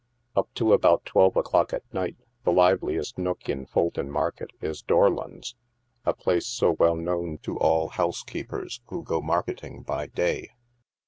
Up to about twelve o'clock at night, the liveliest nook in Fulton market is Dorlon's — a place so well known to all house keepers who THE MARKETS AT NIGHT. 51 go marketing by day.